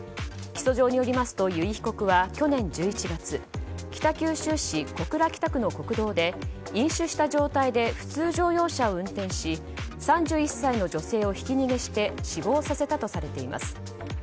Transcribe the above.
起訴状によりますと由井被告は去年１１月北九州市小倉北区の公道で飲酒した状態で普通乗用車を運転し３１歳の女性をひき逃げして死亡させたとされています。